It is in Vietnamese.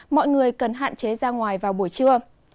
mọi người cần hạn chế ra ngoài vào buổi trưa